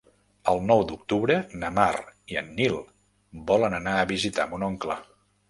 El nou d'octubre na Mar i en Nil volen anar a visitar mon oncle.